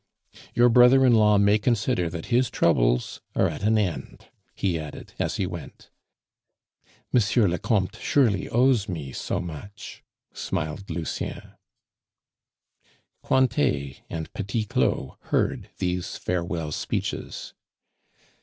"Your brother in law may consider that his troubles are at an end," he added as he went. "M. le Comte surely owes me so much," smiled Lucien. Cointet and Petit Claud heard these farewell speeches.